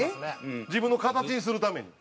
自分の形にするために。